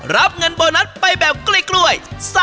รับเงินโบนัสไปแบบกล้วย